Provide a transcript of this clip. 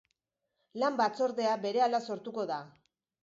Lan batzordea berehala sortuko da.